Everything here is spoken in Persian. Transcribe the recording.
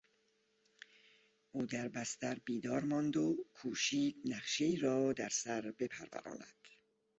او در بستر بیدار ماند و کوشید نقشهای را در سر بپروراند.